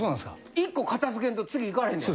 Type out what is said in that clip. １個片付けんと次いかれへんねやろ。